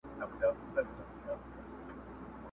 آسمانه ما خو داسي نه ویله،